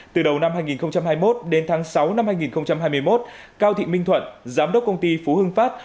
từ đầu năm hai nghìn hai mươi một đến tháng sáu năm hai nghìn hai mươi một cao thị minh thuận giám đốc công ty phú hưng phát